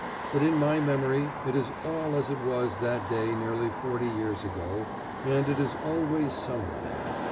But in my memory it is all as it was that day nearly forty years ago, and it is always summer there.